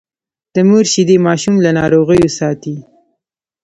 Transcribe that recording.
د مور شیدې ماشوم له ناروغیو ساتي۔